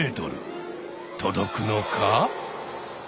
届くのか？